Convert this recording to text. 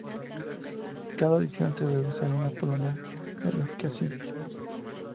Cada decisión se reduce a un problema de lógica simple.